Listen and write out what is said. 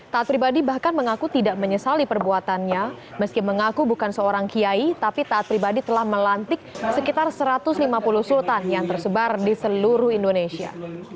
taat pribadi bahkan mengaku tidak menyesali perbuatannya meski mengaku bukan seorang kiai tapi taat pribadi telah melantik sekitar satu ratus lima puluh sultan yang tersebar di seluruh indonesia